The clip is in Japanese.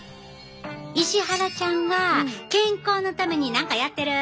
石原ちゃんは健康のために何かやってる？